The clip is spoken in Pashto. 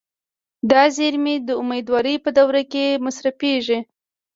دا زیرمې د امیدوارۍ په دوره کې مصرفېږي.